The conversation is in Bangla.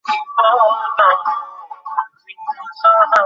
আপনি জিজ্ঞেস করছেন কেন?